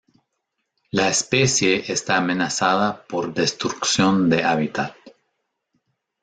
La especie está amenazada por destrucción de hábitat.